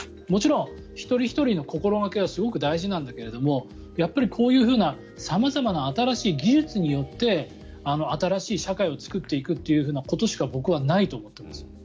もちろん一人ひとりの心掛けはすごく大事なんだけどやっぱりこういう様々な新しい技術によって新しい社会を作っていくということしか僕はないと思っています。